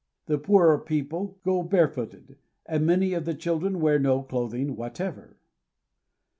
The poorer people go barefooted, and many of the children wear no clothing whatever.